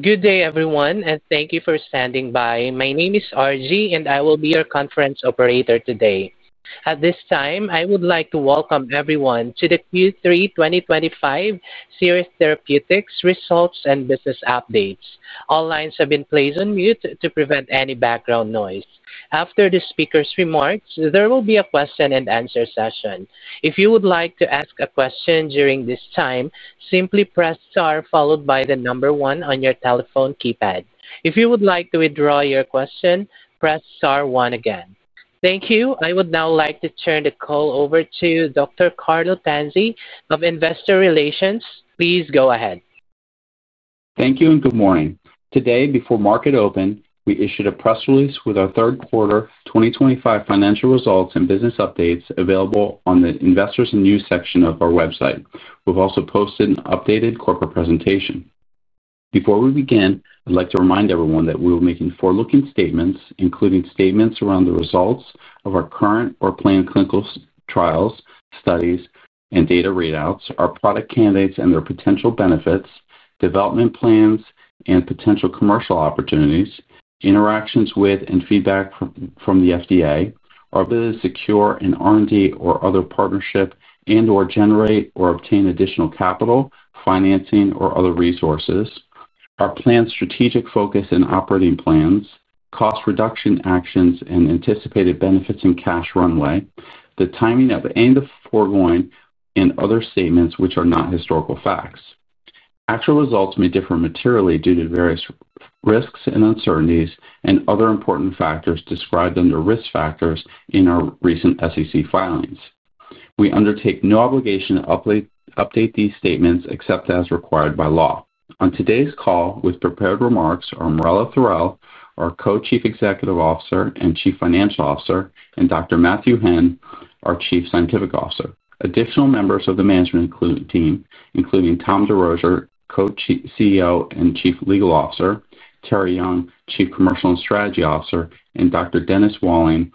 Good day, everyone, and thank you for standing by. My name is RG, and I will be your conference operator today. At this time, I would like to welcome everyone to the Q3 2025 Seres Therapeutics results and business updates. All lines have been placed on mute to prevent any background noise. After the speaker's remarks, there will be a question-and-answer session. If you would like to ask a question during this time, simply press * followed by the number 1 on your telephone keypad. If you would like to withdraw your question, press * again. Thank you. I would now like to turn the call over to Dr. Carlo Tanzi of Investor Relations. Please go ahead. Thank you and good morning. Today, before market open, we issued a press release with our third-quarter 2025 financial results and business updates available on the Investors in News section of our website. We have also posted an updated corporate presentation. Before we begin, I would like to remind everyone that we will be making forward-looking statements, including statements around the results of our current or planned clinical trials, studies, and data readouts, our product candidates and their potential benefits, development plans and potential commercial opportunities, interactions with and feedback from the FDA, our ability to secure an R&D or other partnership and/or generate or obtain additional capital, financing, or other resources, our planned strategic focus and operating plans, cost reduction actions and anticipated benefits and cash runway, the timing of any of the foregoing, and other statements which are not historical facts. Actual results may differ materially due to various risks and uncertainties and other important factors described under risk factors in our recent SEC filings. We undertake no obligation to update these statements except as required by law. On today's call, with prepared remarks, are Marella Thorell, our Co-Chief Executive Officer and Chief Financial Officer, and Dr. Matthew Henn, our Chief Scientific Officer. Additional members of the management team, including Tom DeRosier, Co-CEO and Chief Legal Officer, Terri Young, Chief Commercial and Strategy Officer, and Dr. Dennis Walling,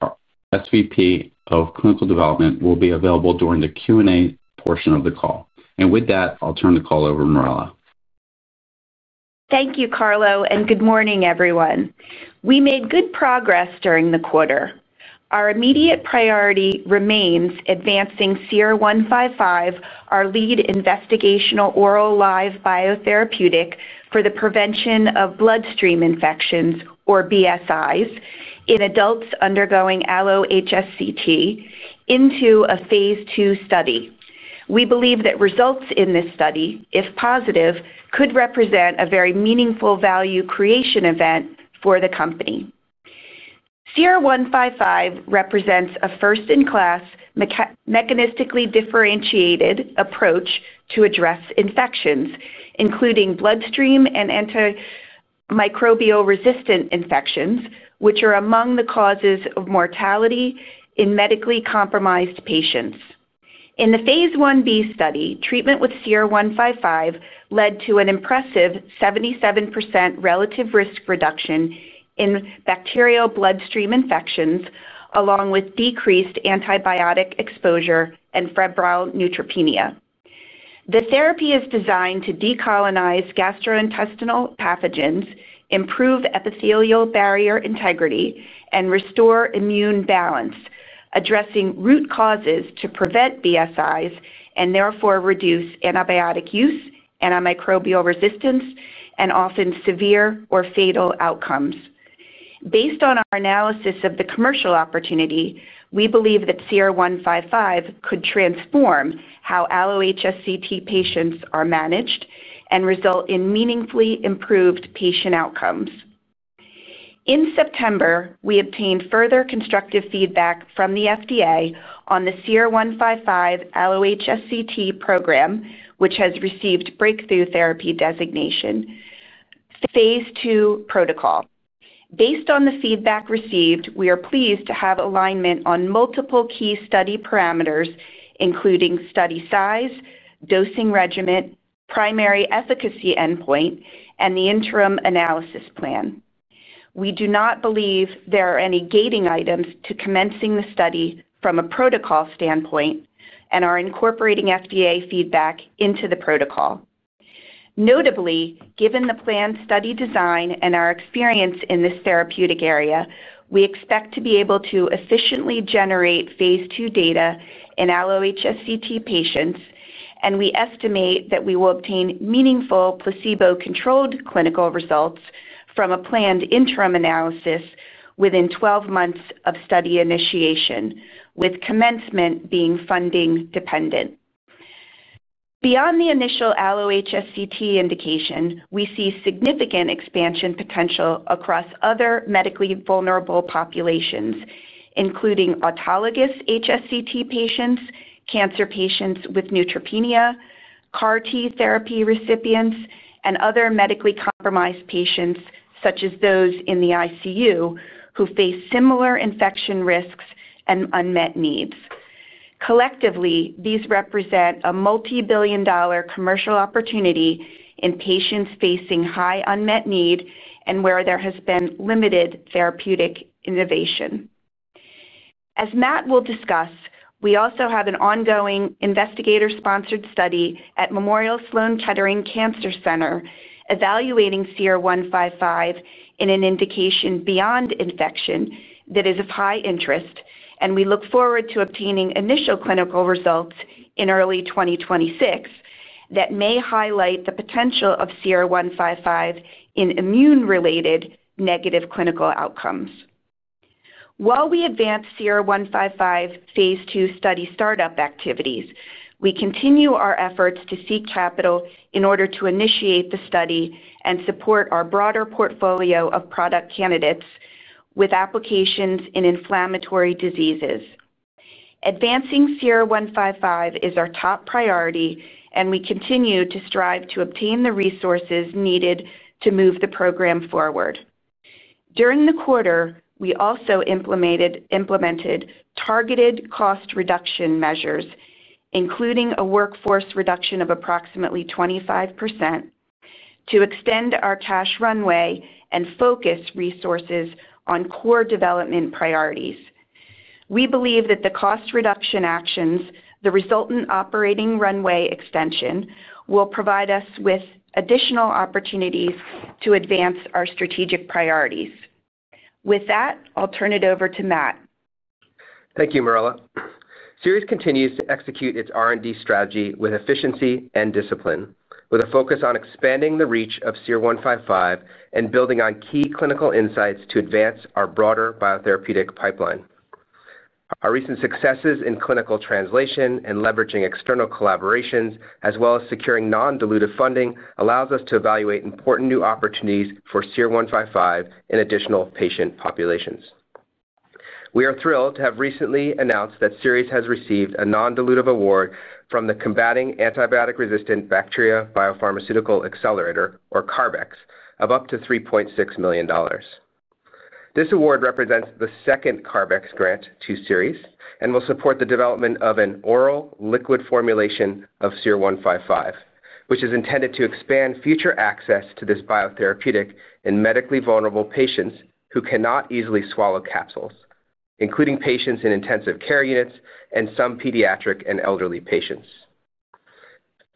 our SVP of Clinical Development, will be available during the Q&A portion of the call. I'll turn the call over to Marella. Thank you, Carlo, and good morning, everyone. We made good progress during the quarter. Our immediate priority remains advancing SER-155, our lead investigational oral live biotherapeutic for the prevention of bloodstream infections, or BSIs, in adults undergoing allo-HSCT, into a phase two study. We believe that results in this study, if positive, could represent a very meaningful value creation event for the company. SER-155 represents a first-in-class, mechanistically differentiated approach to address infections, including bloodstream and antimicrobial-resistant infections, which are among the causes of mortality in medically compromised patients. In the phase one B study, treatment with SER-155 led to an impressive 77% relative risk reduction in bacterial bloodstream infections, along with decreased antibiotic exposure and febrile neutropenia. The therapy is designed to decolonize gastrointestinal pathogens, improve epithelial barrier integrity, and restore immune balance, addressing root causes to prevent BSIs and therefore reduce antibiotic use, antimicrobial resistance, and often severe or fatal outcomes. Based on our analysis of the commercial opportunity, we believe that SER-155 could transform how allo-HSCT patients are managed and result in meaningfully improved patient outcomes. In September, we obtained further constructive feedback from the FDA on the SER-155 allo-HSCT program, which has received Breakthrough Therapy Designation. Phase two protocol. Based on the feedback received, we are pleased to have alignment on multiple key study parameters, including study size, dosing regimen, primary efficacy endpoint, and the interim analysis plan. We do not believe there are any gating items to commencing the study from a protocol standpoint and are incorporating FDA feedback into the protocol. Notably, given the planned study design and our experience in this therapeutic area, we expect to be able to efficiently generate phase two data in allo-HSCT patients, and we estimate that we will obtain meaningful placebo-controlled clinical results from a planned interim analysis within 12 months of study initiation, with commencement being funding-dependent. Beyond the initial allo-HSCT indication, we see significant expansion potential across other medically vulnerable populations, including autologous HSCT patients, cancer patients with neutropenia, CAR-T therapy recipients, and other medically compromised patients, such as those in the ICU, who face similar infection risks and unmet needs. Collectively, these represent a multi-billion dollar commercial opportunity in patients facing high unmet need and where there has been limited therapeutic innovation. As Matt will discuss, we also have an ongoing investigator-sponsored study at Memorial Sloan Kettering Cancer Center evaluating SER-155 in an indication beyond infection that is of high interest, and we look forward to obtaining initial clinical results in early 2026 that may highlight the potential of SER-155 in immune-related negative clinical outcomes. While we advance SER-155 phase two study startup activities, we continue our efforts to seek capital in order to initiate the study and support our broader portfolio of product candidates with applications in inflammatory diseases. Advancing SER-155 is our top priority, and we continue to strive to obtain the resources needed to move the program forward. During the quarter, we also implemented targeted cost reduction measures, including a workforce reduction of approximately 25%, to extend our cash runway and focus resources on core development priorities. We believe that the cost reduction actions, the resultant operating runway extension, will provide us with additional opportunities to advance our strategic priorities. With that, I'll turn it over to Matt. Thank you, Marella. Seres continues to execute its R&D strategy with efficiency and discipline, with a focus on expanding the reach of SER-155 and building on key clinical insights to advance our broader biotherapeutic pipeline. Our recent successes in clinical translation and leveraging external collaborations, as well as securing non-dilutive funding, allow us to evaluate important new opportunities for SER-155 in additional patient populations. We are thrilled to have recently announced that Seres has received a non-dilutive award from the Combating Antibiotic Resistant Bacteria Biopharmaceutical Accelerator, or CARB-X, of up to $3.6 million. This award represents the second CARB-X grant to Seres and will support the development of an oral liquid formulation of SER-155, which is intended to expand future access to this biotherapeutic in medically vulnerable patients who cannot easily swallow capsules, including patients in intensive care units and some pediatric and elderly patients.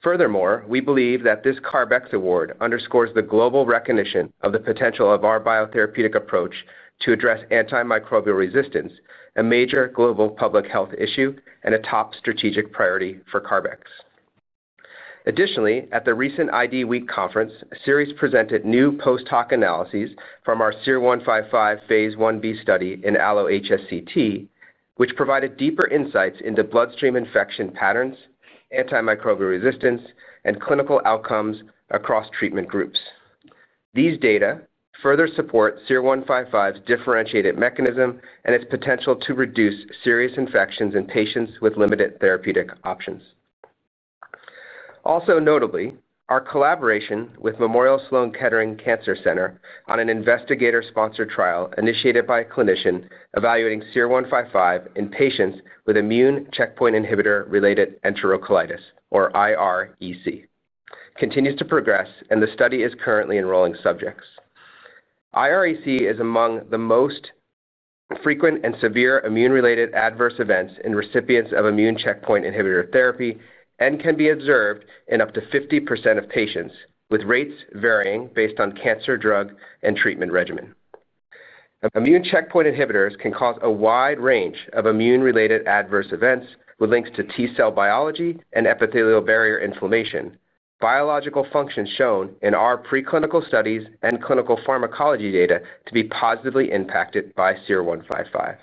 Furthermore, we believe that this CARB-X award underscores the global recognition of the potential of our biotherapeutic approach to address antimicrobial resistance, a major global public health issue, and a top strategic priority for CARB-X. Additionally, at the recent ID Week conference, Seres presented new post-hoc analyses from our SER-155 phase one B study in allo-HSCT, which provided deeper insights into bloodstream infection patterns, antimicrobial resistance, and clinical outcomes across treatment groups. These data further support SER-155's differentiated mechanism and its potential to reduce serious infections in patients with limited therapeutic options. Also notably, our collaboration with Memorial Sloan Kettering Cancer Center on an investigator-sponsored trial initiated by a clinician evaluating SER-155 in patients with immune checkpoint inhibitor-related enterocolitis, or IREC, continues to progress, and the study is currently enrolling subjects. IREC is among the most. Frequent and severe immune-related adverse events in recipients of immune checkpoint inhibitor therapy can be observed in up to 50% of patients, with rates varying based on cancer drug and treatment regimen. Immune checkpoint inhibitors can cause a wide range of immune-related adverse events with links to T cell biology and epithelial barrier inflammation. Biological functions shown in our preclinical studies and clinical pharmacology data to be positively impacted by SER-155.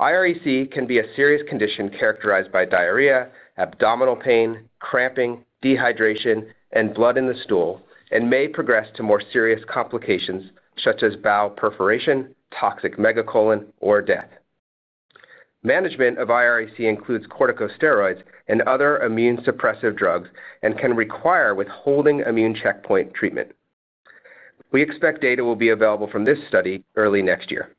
IREC can be a serious condition characterized by diarrhea, abdominal pain, cramping, dehydration, and blood in the stool, and may progress to more serious complications such as bowel perforation, toxic megacolon, or death. Management of IREC includes corticosteroids and other immune suppressive drugs and can require withholding immune checkpoint treatment. We expect data will be available from this study early next year.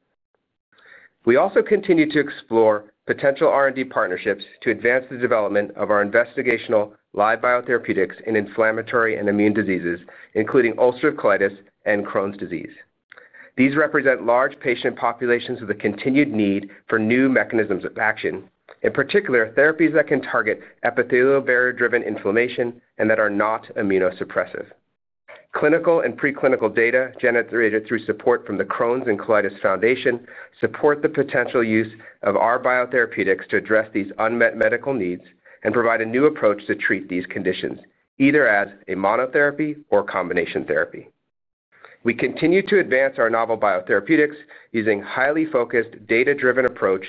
We also continue to explore potential R&D partnerships to advance the development of our investigational live biotherapeutics in inflammatory and immune diseases, including ulcerative colitis and Crohn's disease. These represent large patient populations with a continued need for new mechanisms of action, in particular, therapies that can target epithelial barrier-driven inflammation and that are not immunosuppressive. Clinical and preclinical data generated through support from the Crohn's and Colitis Foundation support the potential use of our biotherapeutics to address these unmet medical needs and provide a new approach to treat these conditions, either as a monotherapy or combination therapy. We continue to advance our novel biotherapeutics using a highly focused, data-driven approach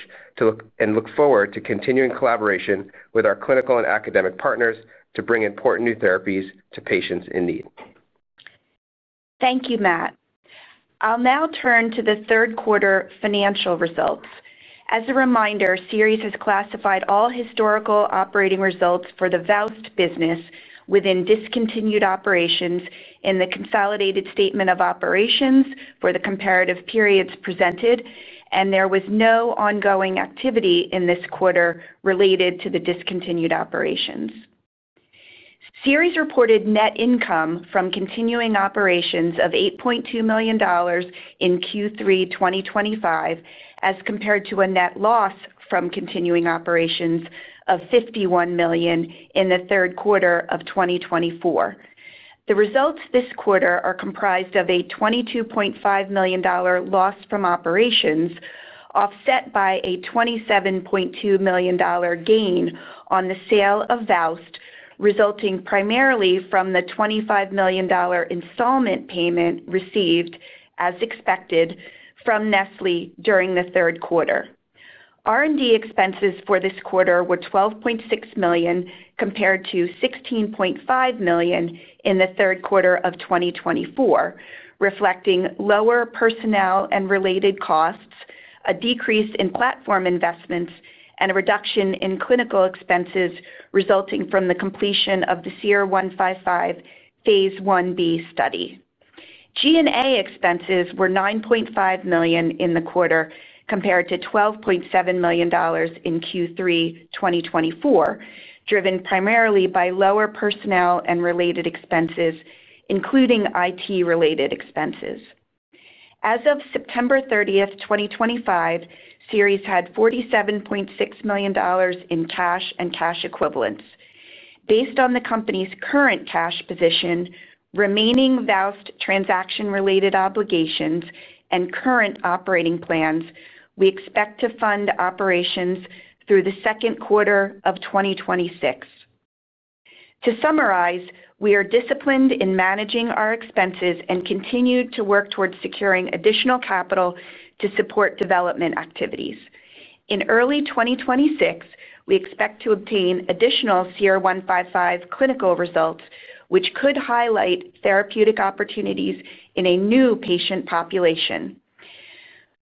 and look forward to continuing collaboration with our clinical and academic partners to bring important new therapies to patients in need. Thank you, Matt. I'll now turn to the third quarter financial results. As a reminder, Seres has classified all historical operating results for the VAST business within discontinued operations in the consolidated statement of operations for the comparative periods presented, and there was no ongoing activity in this quarter related to the discontinued operations. Seres reported net income from continuing operations of $8.2 million in Q3 2025, as compared to a net loss from continuing operations of $51 million in the third quarter of 2024. The results this quarter are comprised of a $22.5 million loss from operations, offset by a $27.2 million gain on the sale of VAST, resulting primarily from the $25 million installment payment received, as expected, from Nestlé during the third quarter. R&D expenses for this quarter were $12.6 million compared to $16.5 million in the third quarter of 2024, reflecting lower personnel and related costs, a decrease in platform investments, and a reduction in clinical expenses resulting from the completion of the SER-155 phase one B study. G&A expenses were $9.5 million in the quarter compared to $12.7 million in Q3 2024, driven primarily by lower personnel and related expenses, including IT-related expenses. As of September 30, 2025, Seres Therapeutics had $47.6 million in cash and cash equivalents. Based on the company's current cash position, remaining VAST transaction-related obligations, and current operating plans, we expect to fund operations through the second quarter of 2026. To summarize, we are disciplined in managing our expenses and continue to work towards securing additional capital to support development activities. In early 2026, we expect to obtain additional SER-155 clinical results, which could highlight therapeutic opportunities in a new patient population.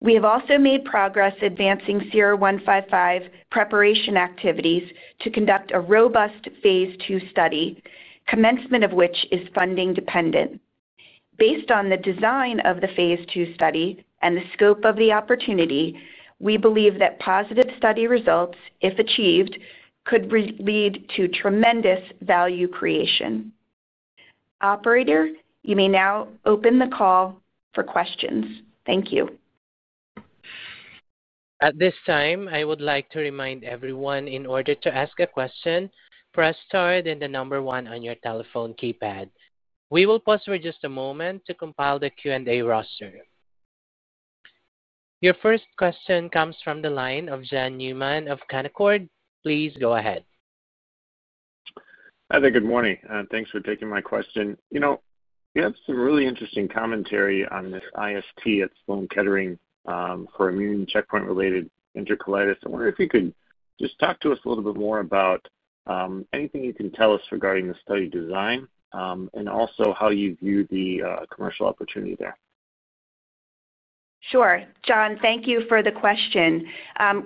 We have also made progress advancing SER-155 preparation activities to conduct a robust phase two study, commencement of which is funding-dependent. Based on the design of the phase two study and the scope of the opportunity, we believe that positive study results, if achieved, could lead to tremendous value creation. Operator, you may now open the call for questions. Thank you. At this time, I would like to remind everyone, in order to ask a question, press star then the number one on your telephone keypad. We will pause for just a moment to compile the Q&A roster. Your first question comes from the line of Jan Neumann of Canaccord. Please go ahead. Hi, there. Good morning. Thanks for taking my question. You know, we have some really interesting commentary on this IST at Memorial Sloan Kettering Cancer Center for immune checkpoint inhibitor-related enterocolitis. I wonder if you could just talk to us a little bit more about. Anything you can tell us regarding the study design. Also how you view the commercial opportunity there. Sure. John, thank you for the question.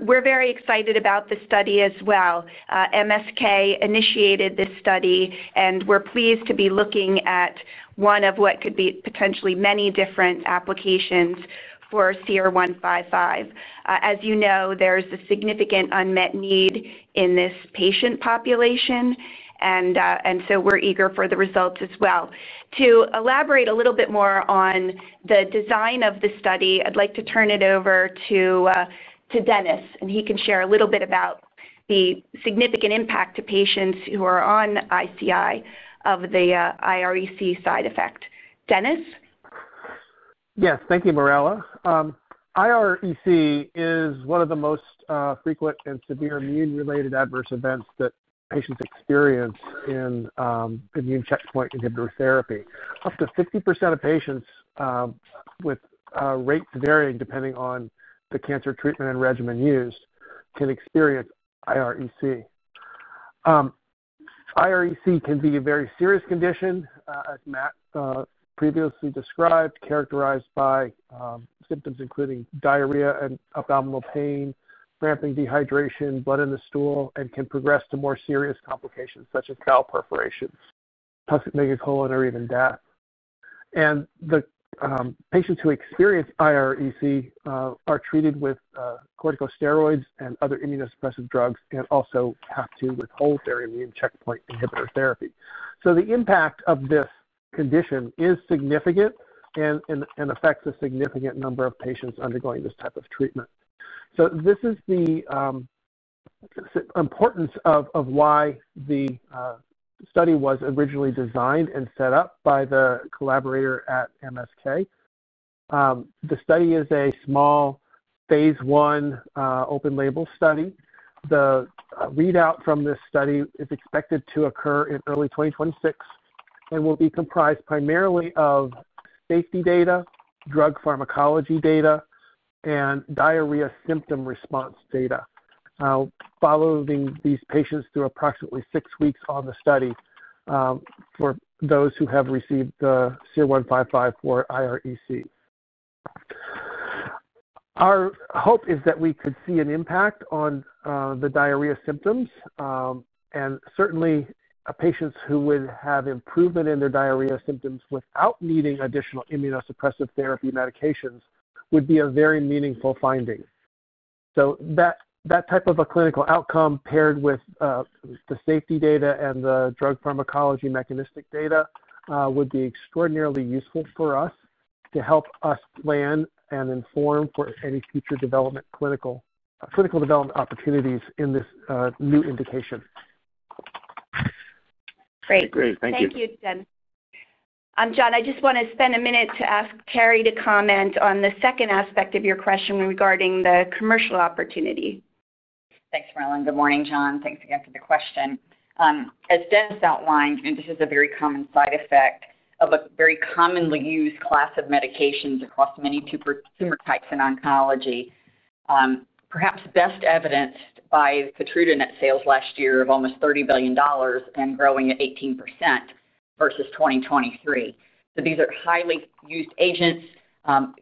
We're very excited about the study as well. Memorial Sloan Kettering Cancer Center initiated this study, and we're pleased to be looking at one of what could be potentially many different applications for SER-155. As you know, there's a significant unmet need in this patient population, and so we're eager for the results as well. To elaborate a little bit more on the design of the study, I'd like to turn it over to Dennis, and he can share a little bit about the significant impact to patients who are on ICI of the IREC side effect. Dennis? Yes. Thank you, Marella. IREC is one of the most frequent and severe immune-related adverse events that patients experience in immune checkpoint inhibitor therapy. Up to 50% of patients, with rates varying depending on the cancer treatment and regimen used, can experience IREC. IREC can be a very serious condition, as Matt previously described, characterized by symptoms including diarrhea and abdominal pain, cramping, dehydration, blood in the stool, and can progress to more serious complications such as bowel perforation, toxic megacolon, or even death. The patients who experience IREC are treated with corticosteroids and other immunosuppressive drugs and also have to withhold their immune checkpoint inhibitor therapy. The impact of this condition is significant and affects a significant number of patients undergoing this type of treatment. This is the importance of why the study was originally designed and set up by the collaborator at Memorial Sloan Kettering Cancer Center. The study is a small, phase I open-label study. The readout from this study is expected to occur in early 2026 and will be comprised primarily of safety data, drug pharmacology data, and diarrhea symptom response data. Following these patients through approximately six weeks on the study. For those who have received the SER-155 for IREC, our hope is that we could see an impact on the diarrhea symptoms, and certainly patients who would have improvement in their diarrhea symptoms without needing additional immunosuppressive therapy medications would be a very meaningful finding. That type of a clinical outcome paired with the safety data and the drug pharmacology mechanistic data would be extraordinarily useful for us to help us plan and inform for any future development clinical development opportunities in this new indication. Great. Great. Thank you. Thank you, Dennis. John, I just want to spend a minute to ask Carrie to comment on the second aspect of your question regarding the commercial opportunity. Thanks, Marella. Good morning, John. Thanks again for the question. As Dennis outlined, this is a very common side effect of a very commonly used class of medications across many tumor types in oncology, perhaps best evidenced by the Keytruda sales last year of almost $30 billion and growing at 18% versus 2023. These are highly used agents,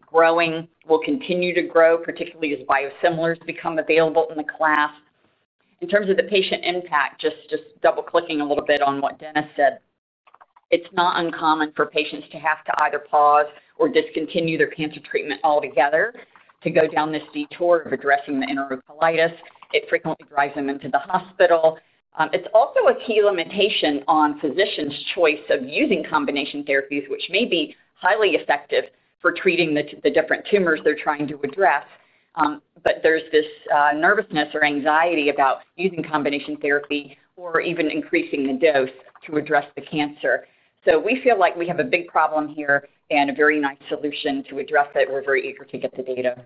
growing, will continue to grow, particularly as biosimilars become available in the class. In terms of the patient impact, just double-clicking a little bit on what Dennis said, it is not uncommon for patients to have to either pause or discontinue their cancer treatment altogether to go down this detour of addressing the enterocolitis. It frequently drives them into the hospital. It is also a key limitation on physicians' choice of using combination therapies, which may be highly effective for treating the different tumors they are trying to address. There's this nervousness or anxiety about using combination therapy or even increasing the dose to address the cancer. We feel like we have a big problem here and a very nice solution to address it. We're very eager to get the data.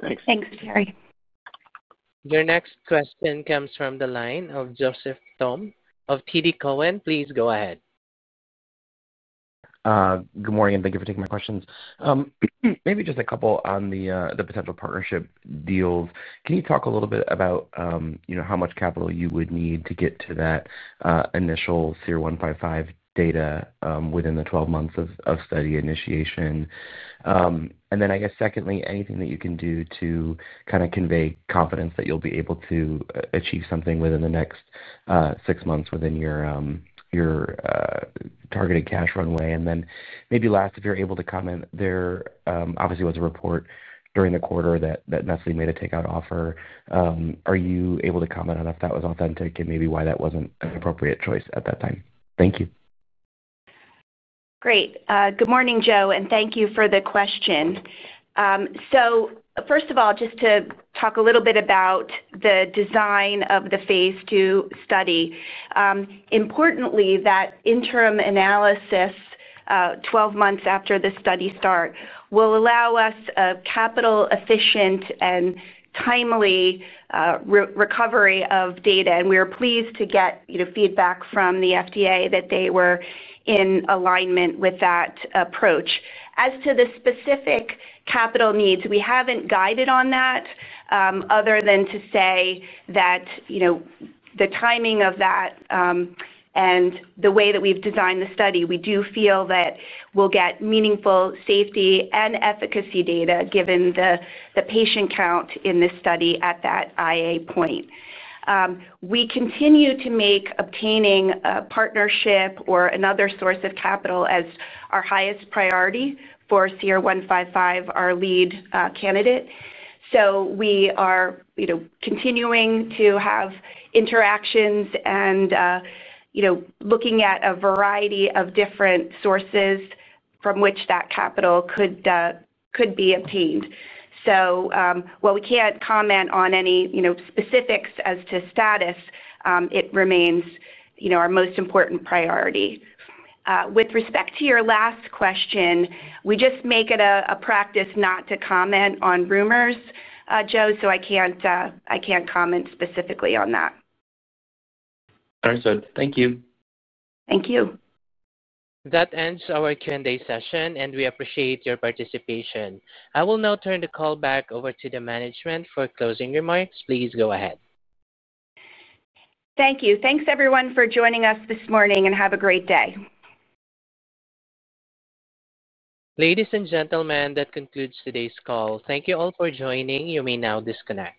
Thanks. Thanks, Terri. Your next question comes from the line of Joseph Thom of TD Cowen. Please go ahead. Good morning, and thank you for taking my questions. Maybe just a couple on the potential partnership deals. Can you talk a little bit about how much capital you would need to get to that initial SER-155 data within the 12 months of study initiation? And then I guess secondly, anything that you can do to kind of convey confidence that you'll be able to achieve something within the next six months within your targeted cash runway? And then maybe last, if you're able to comment, there obviously was a report during the quarter that Nestlé made a takeout offer. Are you able to comment on if that was authentic and maybe why that wasn't an appropriate choice at that time? Thank you. Great. Good morning, Joe, and thank you for the question. First of all, just to talk a little bit about the design of the phase two study. Importantly, that interim analysis 12 months after the study start will allow us a capital-efficient and timely recovery of data. We are pleased to get feedback from the FDA that they were in alignment with that approach. As to the specific capital needs, we have not guided on that, other than to say that the timing of that and the way that we have designed the study, we do feel that we will get meaningful safety and efficacy data given the patient count in this study at that IA point. We continue to make obtaining a partnership or another source of capital as our highest priority for SER-155, our lead candidate. We are continuing to have interactions and. Looking at a variety of different sources from which that capital could be obtained. While we can't comment on any specifics as to status, it remains our most important priority. With respect to your last question, we just make it a practice not to comment on rumors, Joe, so I can't comment specifically on that. All right, sir. Thank you. Thank you. That ends our Q&A session, and we appreciate your participation. I will now turn the call back over to the management for closing remarks. Please go ahead. Thank you. Thanks, everyone, for joining us this morning, and have a great day. Ladies and gentlemen, that concludes today's call. Thank you all for joining. You may now disconnect.